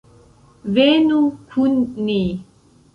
Venu kun ni!